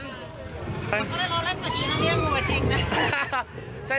ก็เลยรอเล่นเมื่อกี้นะเรียงหมูกับจริงนะ